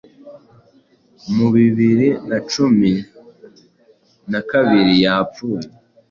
mu bibiri na cumi na kabiri yapfuye